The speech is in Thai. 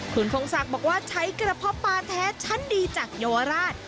คุณพงศักดิ์บอกว่าใช้กระเพาะปลาแท้ชั้นดีจากเยาวราช